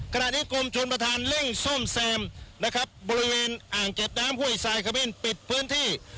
ขณะนี้กรมชนประธานเร่งซ่อมแซมนะครับบริเวณอ่างเก็บน้ำห้วยทรายขเบ่นปิดพื้นที่